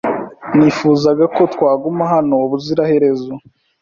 Nifuzaga ko twaguma hano ubuziraherezo.